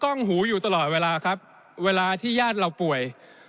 ้องหูอยู่ตลอดเวลาครับเวลาที่ญาติเราป่วย